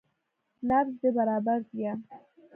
نبض دې برابر ديه.